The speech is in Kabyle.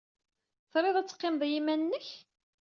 Triḍ ad teqqimeḍ i yiman-nnek?